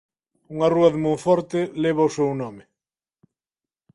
Unha rúa de Monforte leva o seu nome.